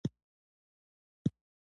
احمدشاه بابا د فرهنګي ارزښتونو ساتنه کړی.